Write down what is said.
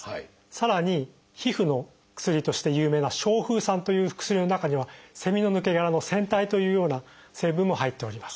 さらに皮膚の薬として有名な「消風散」という薬の中にはセミの抜け殻の「蝉退」というような成分も入っております。